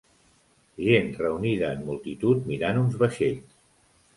Gent reunida en multitud mirant uns vaixells.